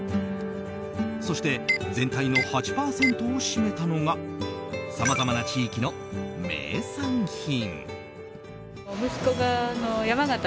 そして全体の８％を占めたのがさまざまな地域の名産品。